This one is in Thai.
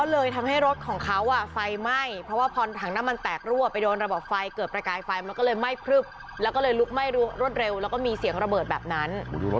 แล้วก็เลยไม่พรึ่บลุกไม่รวดเรัวแล้วก็มีเสียงระเบิดแบบนั้น